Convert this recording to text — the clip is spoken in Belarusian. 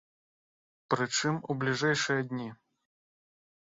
Прычым, у бліжэйшыя дні.